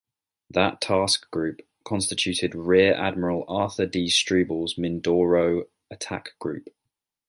That task group constituted Rear Admiral Arthur D. Struble's Mindoro Attack Group.